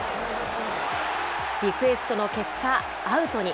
リクエストの結果、アウトに。